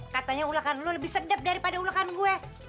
katanya ulekan lo lebih sedap daripada ulekan gue